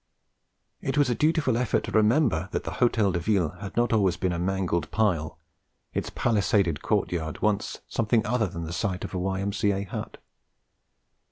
It was a dutiful effort to remember that the Hôtel de Ville had not always been a mangled pile, its palisaded courtyard once something other than the site of a Y.M.C.A. hut.